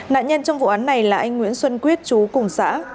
nạn nhân trong vụ án này là anh nguyễn xuân quyết chú cùng xã